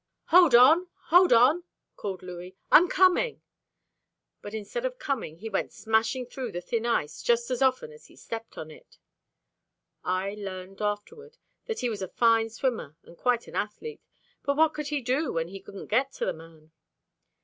"Hold on, hold on," called Louis; "I'm coming," but instead of coming, he went smashing through the thin ice just as often as he stepped on it. I learned afterward, that he was a fine swimmer, and quite an athlete, but what could he do when he couldn't get to the man?